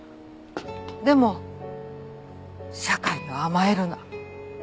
でも社会には甘えるな。